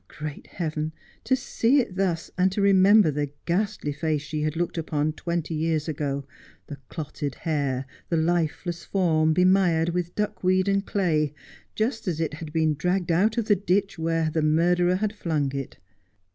Great Heaven, to see it thus, and to remember the ghastly face she had looked upon twenty years ago, the clotted hair, the lifeless form, bemired with duck weed and clay, just as it had been dragged out of the ditch where the murderer had flung it.